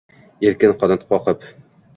Erkin qanot koqib